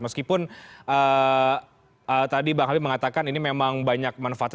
meskipun tadi bang habib mengatakan ini memang banyak manfaatnya